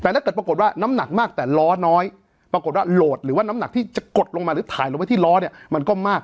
แต่ถ้าเกิดปรากฏว่าน้ำหนักมากแต่ล้อน้อยปรากฏว่าโหลดหรือว่าน้ำหนักที่จะกดลงมาหรือถ่ายลงไว้ที่ล้อเนี่ยมันก็มาก